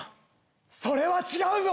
それは違うぞ。